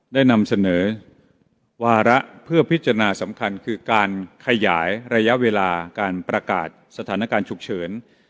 ได้นำเสนอวาระเพื่อพิจารณาสำคัญคือการขยายระยะเวลาการประกาศสถานการณ์ฉุกเฉิน